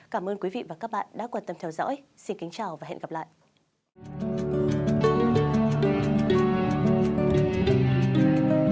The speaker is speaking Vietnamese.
cảm ơn các bạn đã theo dõi và hẹn gặp lại